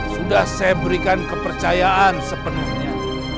sudah saya berikan kepercayaan sepenuhnya